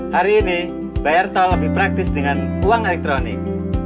hari ini bayar tol lebih praktis dengan uang elektronik